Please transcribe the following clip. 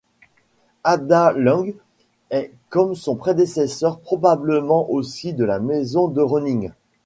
Adalung est comme son prédécesseur probablement aussi de la maison de Roning.